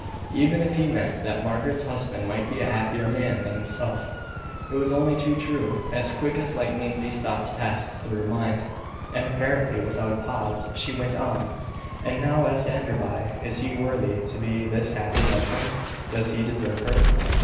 Even if he meant that Margaret's husband might be a happier man than himself, it was only too true. As quick as lightning these thoughts passed through her mind, and, apparently without a pause, she went on, "And now, as to Enderby is he worthy to be this happy husband? Does he deserve her?"